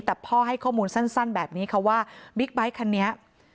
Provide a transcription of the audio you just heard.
แต่พ่อให้ข้อมูลสั้นแบบนี้ค่ะว่าบิ๊กไบท์คันนี้